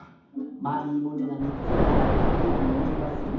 まるいものが３つならんでいるようにみえますね。